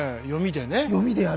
読みでね。